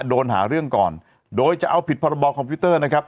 โดนหาเรื่องก่อนโดยจะเอาผิดพรบคอมพิวเตอร์นะครับ